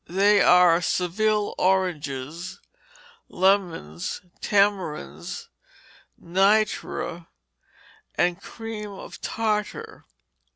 They are Seville oranges, lemons, tamarinds, nitre, and cream of tartar.